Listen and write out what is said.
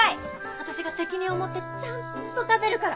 私が責任を持ってちゃんと食べるから。